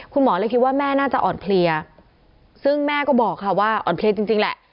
คุณหมอเลยคิดว่าแม่น่าจะอ่อนเพลียซึ่งแม่ก็บอกค่ะว่าอ่อนเพลียจริงแหละ